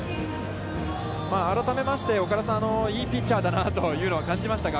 改めまして岡田さん、いいピッチャーだなというのは感じました。